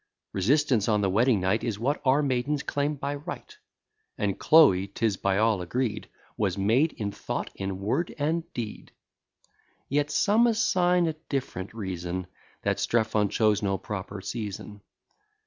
Resistance on the wedding night Is what our maidens claim by right; And Chloe, 'tis by all agreed, Was maid in thought, in word, and deed. Yet some assign a different reason; That Strephon chose no proper season.